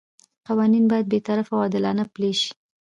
قوانین باید بې طرفه او عادلانه پلي شي.